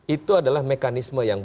itu adalah mekanisme yang